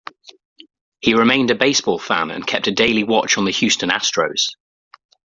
He remained a baseball fan and kept a daily watch on the Houston Astros.